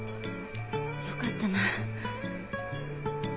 よかったな。